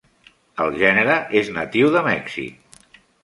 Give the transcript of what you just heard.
El gènere és natiu de Mèxic.